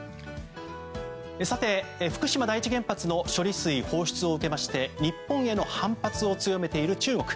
さて、福島第一原発の処理水放出を受けまして日本への反発を強めている中国。